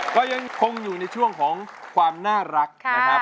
ก็ยังคงอยู่ในช่วงของความน่ารักนะครับ